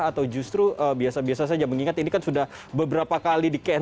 atau justru biasa biasa saja mengingat ini kan sudah beberapa kali di camp